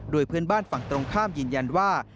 โดยเพื่อนบ้านฝั่งตรงข้ามยืนยันว่า